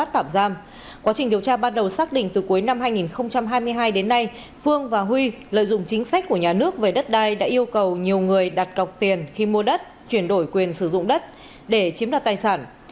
trên điều tra ban đầu xác định từ cuối năm hai nghìn hai mươi hai đến nay phương và huy lợi dụng chính sách của nhà nước về đất đai đã yêu cầu nhiều người đặt cọc tiền khi mua đất chuyển đổi quyền sử dụng đất để chiếm đoạt tài sản